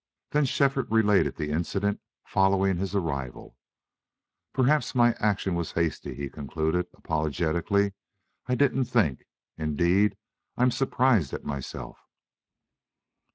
Then Shefford related the incident following his arrival. "Perhaps my action was hasty," he concluded, apologetically. "I didn't think. Indeed, I'm surprised at myself."